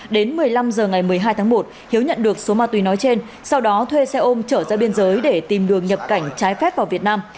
đến một mươi năm h ngày một mươi hai tháng một hiếu nhận được số ma túy nói trên sau đó thuê xe ôm trở ra biên giới để tìm đường nhập cảnh trái phép vào việt nam